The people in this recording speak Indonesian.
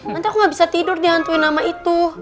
nanti aku gak bisa tidur dihantuin nama itu